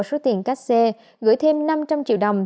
số tiền các xe gửi thêm năm trăm linh triệu đồng